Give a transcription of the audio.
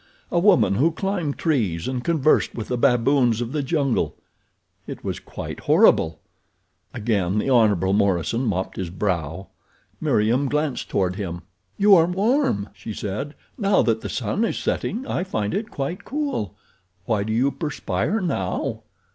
A woman who climbed trees and conversed with the baboons of the jungle! It was quite horrible! Again the Hon. Morison mopped his brow. Meriem glanced toward him. "You are warm," she said. "Now that the sun is setting I find it quite cool. Why do you perspire now?"